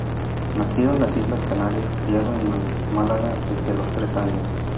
Nacido en las islas Canarias, criado en Málaga desde los tres años.